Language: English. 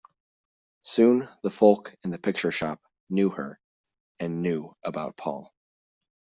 Soon the folk in the picture-shop knew her, and knew about Paul.